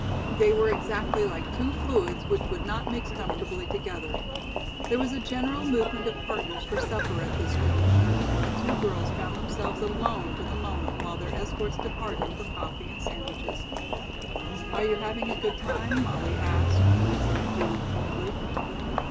They were exactly like two fluids which would not mix comfortably together. There was a general movement of partners for supper at this juncture and the two girls found themselves alone for the moment while their escorts departed for coffee and sandwiches. "Are you having a good time?" Molly asked, glancing at Judith timidly.